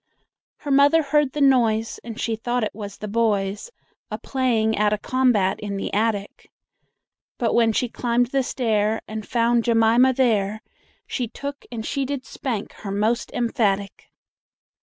Her mother heard the noise, And she thought it was the boys A playing at a combat in the attic; But when she climbed the stair, And found Jemima there, She took and she did spank her most emphatic.